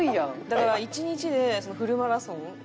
だから１日でフルマラソンくらい。